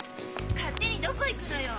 勝手にどこ行くのよ？